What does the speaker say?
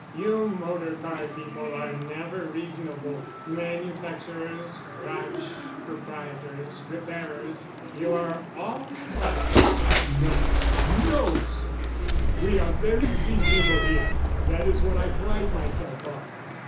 You motor car people are never reasonable manufacturers, garage proprietors, repairers, you are all alike." "No, no, sir, we are very reasonable here. That is what I pride myself on."